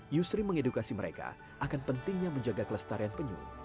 yusri mengedukasi mereka akan pentingnya menjaga kelestarian penyu